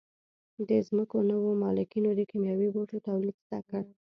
د ځمکو نویو مالکینو د کیمیاوي بوټو تولید زده کړ.